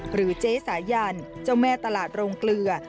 หรือเจ๊สายันเจ้าแม่ตลาดโรงเกลือ